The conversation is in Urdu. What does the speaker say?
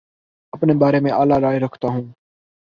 اپنے بارے میں اعلی رائے رکھتا ہوں